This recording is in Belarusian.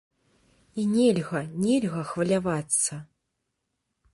І нельга, нельга хвалявацца!